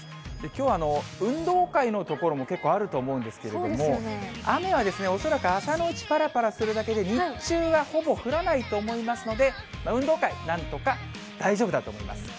きょう、運動会の所も結構あると思うんですけれども、雨は恐らく、朝のうちぱらぱらするだけで、日中はほぼ降らないと思いますので、運動会、なんとか大丈夫だと思います。